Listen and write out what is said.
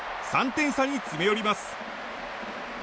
３点差に詰め寄ります。